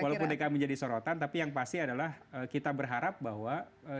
walaupun dki menjadi sorotan tapi yang pasti adalah kita berharap bahwa